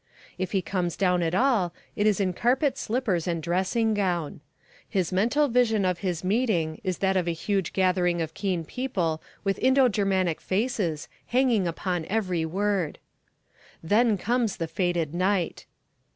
If he comes down at all it is in carpet slippers and dressing gown. His mental vision of his meeting is that of a huge gathering of keen people with Indo Germanic faces, hanging upon every word. Then comes the fated night.